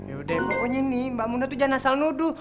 yaudah pokoknya nih mbak munah tuh janasal noduh